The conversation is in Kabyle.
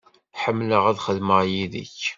Ḥemmleɣ ad xedmeɣ yid-k.